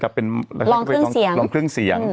ลองเครื่องเสียง